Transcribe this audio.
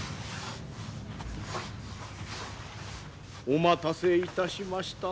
お待たせいたしました